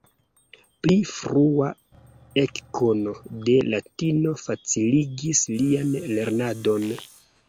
Pli frua ekkono de latino faciligis lian lernadon.